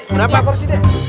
berapa porsi dek